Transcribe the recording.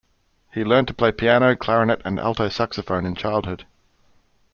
He learned to play piano, clarinet and alto saxophone in childhood.